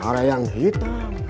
ada yang hitam